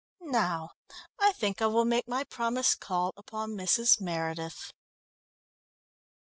Now I think I will make my promised call upon Mrs. Meredith."